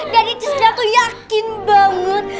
dari cusnya aku yakin banget